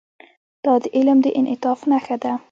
دا د علم د انعطاف نښه ده.